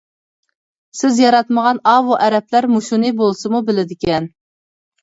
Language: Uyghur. سىز ياراتمىغان ئاۋۇ ئەرەبلەر مۇشۇنى بولسىمۇ بىلىدىكەن.